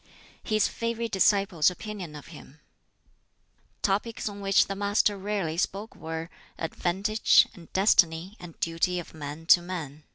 ] BOOK IX His Favorite Disciple's Opinion of Him Topics on which the Master rarely spoke were Advantage, and Destiny, and Duty of man to man.